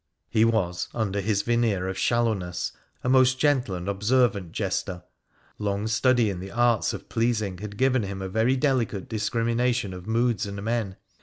He was, under his veneer of shallowness, a most gentle and observant jester. Long study in the arts of pleasing had given him a very delicate discrimination of moods and men.